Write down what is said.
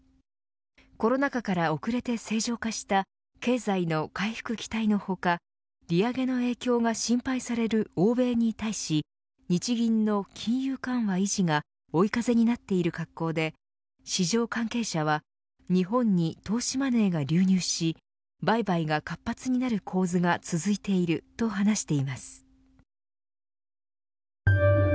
コロナ禍から遅れて正常化した経済の回復期待の他利上げの影響が心配される欧米に対し日銀の金融緩和維持が追い風になっている格好で市場関係者は日本に投資マネーが流入し売買が活発になる構図が続いていると話しています。